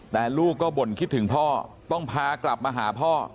แต่ลูกก็บ่นคิดถึงพ่อต้องพากลับมาหาพ่อ